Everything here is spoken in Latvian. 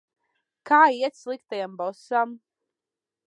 Kā iet sliktajam bosam?